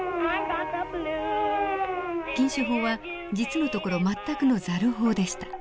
禁酒法は実のところ全くのザル法でした。